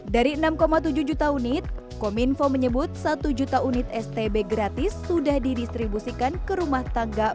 dari enam tujuh juta unit kominfo menyebut satu juta unit stb gratis sudah didistribusikan ke rumah tangga